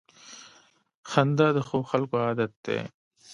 • خندا د ښو خلکو عادت دی.